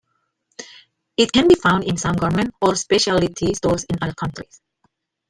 It can be found in some gourmet or speciality stores in other countries.